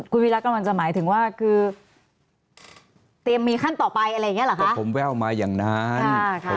คุณวิรัติกำลังจะหมายถึงว่าคือเตรียมมีขั้นต่อไปอะไรอย่างนี้หรือคะ